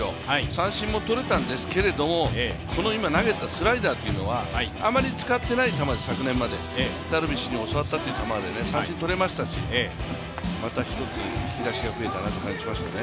三振も取れたんですけど今投げたスライダーというのは昨年まであまり使ってない球、ダルビッシュに教わったという球で三振取れましたし、また一つ、引き出しが増えたなという感じがしましたね。